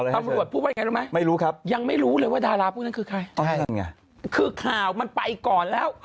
เอาเลยให้เชิญไม่รู้ครับยังไม่รู้เลยว่าดาราพวกนั้นคือใครคือข่าวมันไปก่อนแล้ว